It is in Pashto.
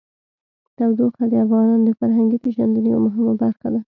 تودوخه د افغانانو د فرهنګي پیژندنې یوه مهمه برخه ده.